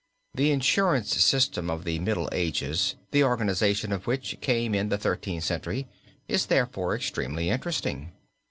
The insurance system of the Middle Ages, the organization of which came in the Thirteenth Century, is therefore extremely interesting.